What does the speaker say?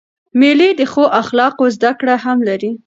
مېلې د ښو اخلاقو زدهکړه هم لري.